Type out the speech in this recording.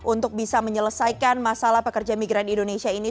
untuk bisa menyelesaikan masalah pekerja migran indonesia ini